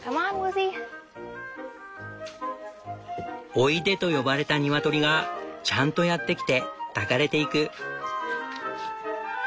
「おいで」と呼ばれたニワトリがちゃんとやって来て抱かれていく。